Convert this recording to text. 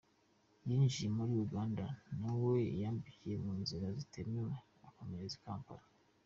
Yinjiye muri Uganda na we yambukiye mu nzira zitemewe akomereza i Kampala.